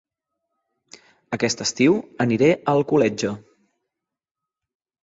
Aquest estiu aniré a Alcoletge